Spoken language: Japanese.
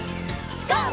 ＧＯ！